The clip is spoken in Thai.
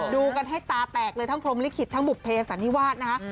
ดูกันให้ตาแตกเลยทั้งพรมลิขิตทั้งบุภเพสันนิวาสนะคะ